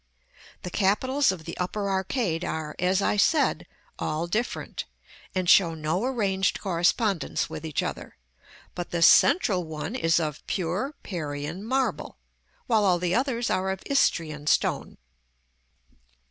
The capitals of the upper arcade are, as I said, all different, and show no arranged correspondence with each other; but the central one is of pure Parian marble, while all the others are of Istrian stone.